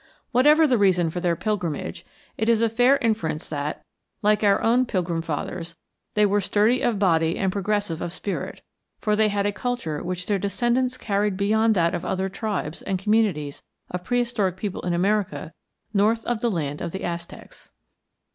Whatever the reason for their pilgrimage, it is a fair inference that, like our own Pilgrim Fathers, they were sturdy of body and progressive of spirit, for they had a culture which their descendants carried beyond that of other tribes and communities of prehistoric people in America north of the land of the Aztecs.